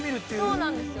◆そうなんですよ。